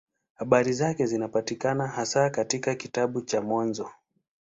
Habari zake zinapatikana hasa katika kitabu cha Mwanzo.